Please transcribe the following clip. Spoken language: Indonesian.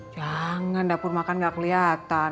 jangan dapur makan gak kelihatan